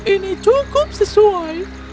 ini cukup sesuai